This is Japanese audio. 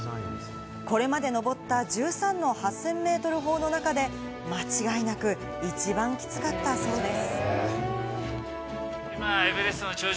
これまで登った１３の８０００メートル峰の中で間違いなく一番きつかったそうです。